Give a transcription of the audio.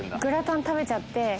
グラタン食べちゃって。